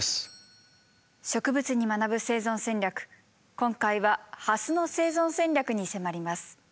今回はハスの生存戦略に迫ります。